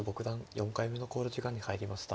４回目の考慮時間に入りました。